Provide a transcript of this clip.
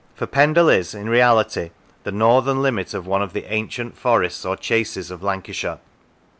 For Pendle is, in reality, the 204 Pendle northern limit of one of the ancient forests or chases of Lancashire.